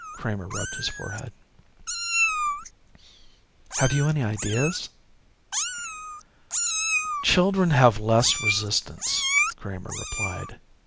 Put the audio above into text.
Kramer rubbed his forehead. "Have you any ideas?" "Children have less resistance," Kramer replied.